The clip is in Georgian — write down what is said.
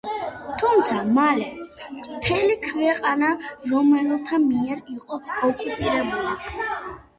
თუმცა მალე მთელი ქვეყანა რომაელთა მიერ იყო ოკუპირებული.